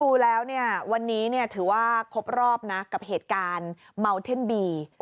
ดูแล้วเนี่ยวันนี้ถือว่าครบรอบนะกับเหตุการณ์เมาเท่นบี